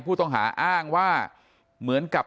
ผู้ต้องหาอ้างว่าเหมือนกับ